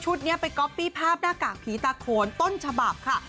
ชุดเนี้ยไปก็อพี่ภาพหน้ากากผีตาโขนต้นฉบับค่ะ